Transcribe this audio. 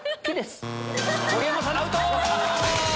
盛山さんアウト！